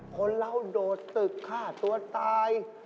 คนเราโดดตึกฆ่าตัวตาย